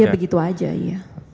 ya begitu aja iya